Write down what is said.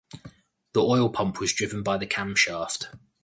The oil pump was driven by the camshaft.